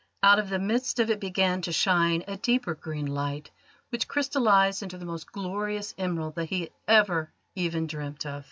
Out of the midst of it began to shine a deeper green light which crystallised into the most glorious emerald that he had ever even dreamt of.